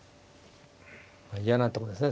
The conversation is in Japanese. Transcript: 嫌なところですね